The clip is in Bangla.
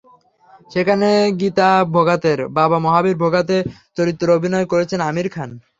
সেখানে গিতা ভোগাতের বাবা মহাবীর ভোগাতের চরিত্রে অভিনয় করেছেন আমির খান।